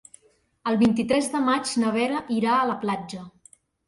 El vint-i-tres de maig na Vera irà a la platja.